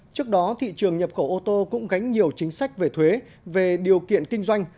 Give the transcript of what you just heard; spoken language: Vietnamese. trước đó thị trường nhập khẩu ô tô cũng gánh nhiều chính sách về thuế về điều kiện kinh doanh